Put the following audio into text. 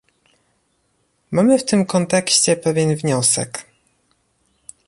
Mamy w tym kontekście pewien wniosek